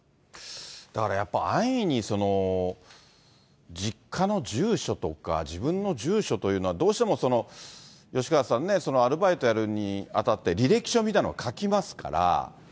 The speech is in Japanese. だからやっぱ、安易に実家の住所とか、自分の住所というのは、どうしても、吉川さんね、アルバイトやるにあたって履歴書みたいの書きますから。